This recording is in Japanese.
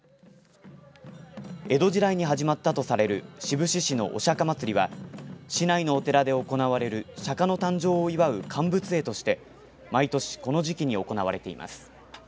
江戸時代に始まったとされる志布志市のお釈迦まつりは市内のお寺で行われる釈迦の誕生を祝う潅仏会として毎年この時期に行われています。